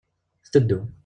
Tetteddu.